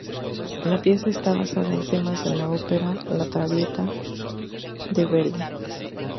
La pieza está basada en temas de la ópera "La Traviata" de Verdi.